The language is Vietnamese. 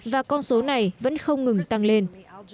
và con số này vẫn không ngừng tăng lên